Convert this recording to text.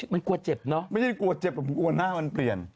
มันกลัวเจ็บเนอะไม่ได้กลัวเจ็บแต่ผมกลัวหน้ามันเปลี่ยน